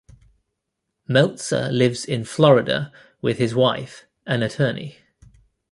Meltzer lives in Florida with his wife, an attorney.